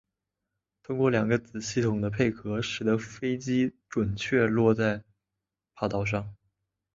通过两个子系统的配合使得飞机准确降落在跑道上。